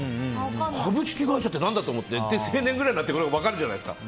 株式会社って何だと思って青年ぐらいになってから分かるじゃないですか。